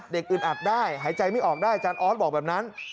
อึดอัดได้หายใจไม่ออกได้อาจารย์ออสบอกแบบนั้น